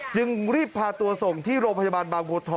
จึงรีบพาตัวส่งที่โรงพยาบาลบางบัวทอง